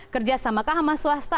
kerja sama kah sama swasta